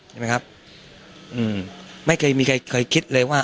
ใช่ไหมครับอืมไม่เคยมีใครเคยคิดเลยว่า